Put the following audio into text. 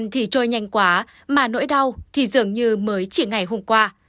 thì dường như mới chỉ ngày hôm qua